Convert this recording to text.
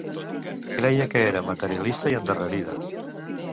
Creia que era materialista i endarrerida.